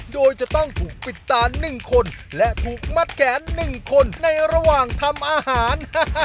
โดยจะต้องถูกปิดตา๑คนและถูกมัดแขน๑คนในระหว่างทำอาหาร